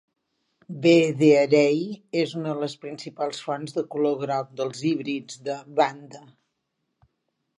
"V. dearei" és una de les principals fonts de color groc dels híbrids de "Vanda".